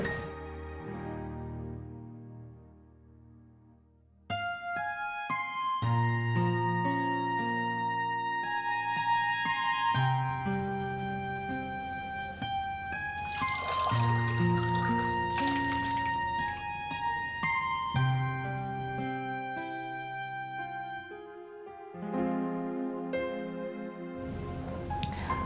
kamu gak tau kan